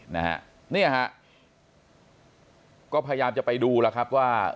เนี่ยฮะก็พยายามจะไปดูล่ะว่า